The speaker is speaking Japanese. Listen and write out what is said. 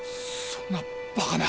そんなバカな。